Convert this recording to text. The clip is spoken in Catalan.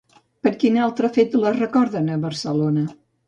Per quin altre fet la recorden a Barcelona?